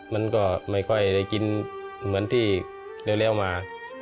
มันก็ไม่ค่อยได้กินเหมือนที่เร็วมา